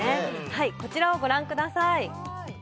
はいこちらをご覧ください